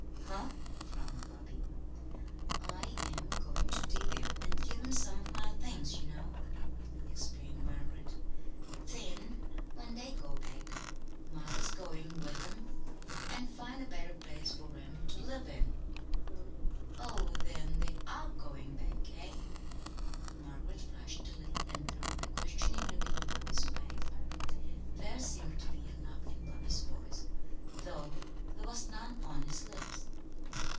"Huh?" frowned Bobby. "I am goin' to divvy up give 'em some of my things, you know," explained Margaret; "then when they go back, mother's goin' with 'em and find a better place for 'em to live in." "Oh, then they are goin' back eh?" Margaret flushed a little and threw a questioning look into Bobby's face. There seemed to be a laugh in Bobby's voice, though there was none on his lips.